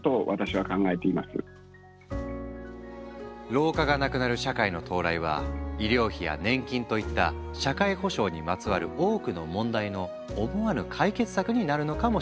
老化がなくなる社会の到来は医療費や年金といった社会保障にまつわる多くの問題の思わぬ解決策になるのかもしれない。